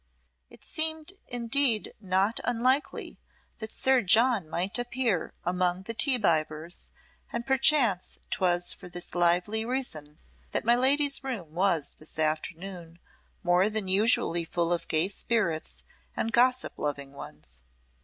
It seemed indeed not unlikely that Sir John might appear among the tea bibbers, and perchance 'twas for this lively reason that my lady's room was this afternoon more than usually full of gay spirits and gossip loving ones.